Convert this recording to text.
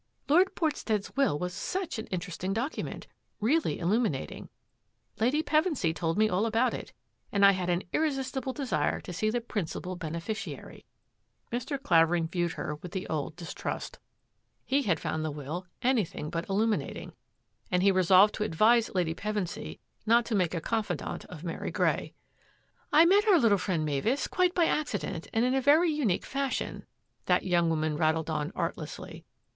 " Lord Portstead's will was siLch an interesting document, really illuminating — Lady Pevensy told me all about it, and I had an irresistible de sire to see the principal beneficiary." Mr. Clavering viewed her with the old distrust. 164 THAT AFFAIR AT THE MANOR He had found the will anything but illuminating, and he resolved to advise Lady Pevensy not to make a confidante of Mary Grey. " I met our little friend, Mavis, quite by acci dent and in a very unique fashion," that young woman rattled on artlessly.